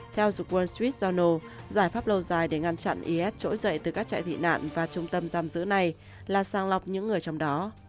theo the world street jono giải pháp lâu dài để ngăn chặn is trỗi dậy từ các trại tị nạn và trung tâm giam giữ này là sang lọc những người trong đó